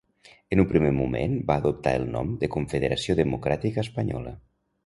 En un primer moment va adoptar el nom de Confederació Democràtica Espanyola.